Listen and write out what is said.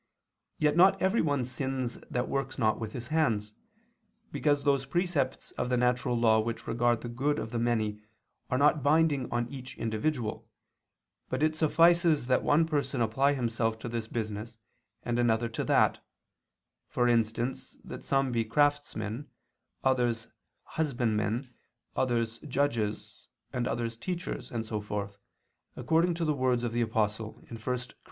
Yet not everyone sins that works not with his hands, because those precepts of the natural law which regard the good of the many are not binding on each individual, but it suffices that one person apply himself to this business and another to that; for instance, that some be craftsmen, others husbandmen, others judges, and others teachers, and so forth, according to the words of the Apostle (1 Cor.